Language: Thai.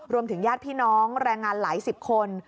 รวมถึงย่าดพี่น้องแรงงานหลายสิบคน